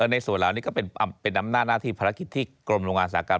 ในส่วนเหล่านี้ก็เป็นอำนาจหน้าที่ภารกิจที่กรมโรงงานอุตสาหกรรม